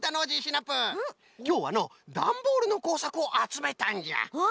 きょうはのダンボールのこうさくをあつめたんじゃ。